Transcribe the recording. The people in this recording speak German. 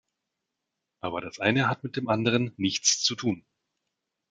Aber das eine hat mit dem anderen nichts zu tun.